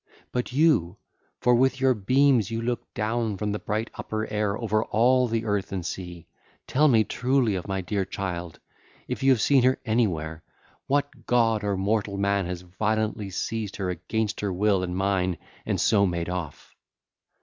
But you—for with your beams you look down from the bright upper air Over all the earth and sea—tell me truly of my dear child, if you have seen her anywhere, what god or mortal man has violently seized her against her will and mine, and so made off.